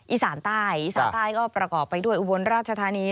อีสานใต้อีสานใต้ก็ประกอบไปด้วยอุบลราชธานี